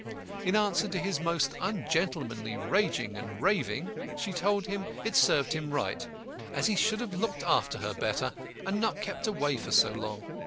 In answer to his most ungentlemanly raging and raving, she told him it served him right, as he should have looked after her better, and not kept away for so long.